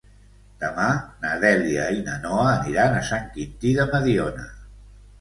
Demà na Dèlia i na Noa aniran a Sant Quintí de Mediona.